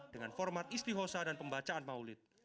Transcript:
dengan format istihosa dan pembacaan maulid